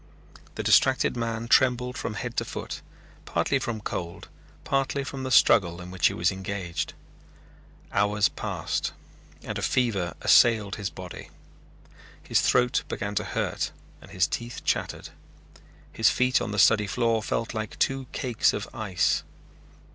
The distracted man trembled from head to foot, partly from cold, partly from the struggle in which he was engaged. Hours passed and a fever assailed his body. His throat began to hurt and his teeth chattered. His feet on the study floor felt like two cakes of ice.